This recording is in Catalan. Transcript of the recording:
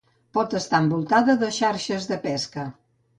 Pot estar envoltada de xarxes de pesca.